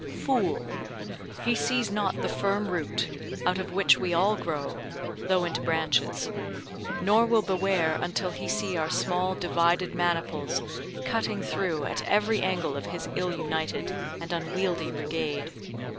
Fool! he sees not the firm root, out of which we all grow, though into branches: nor will beware until he see our small divided maniples cutting through at every angle of his ill united and unwieldy brigade.